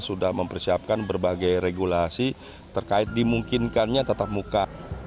sudah mempersiapkan berbagai regulasi terkait dimungkinkannya tetap muka